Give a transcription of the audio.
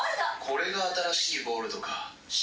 これが新しいボールドか。